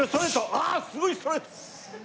あっすごいストレート！